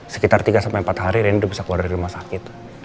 sekitar tiga sampai empat hari rendu bisa keluar dari rumah sakit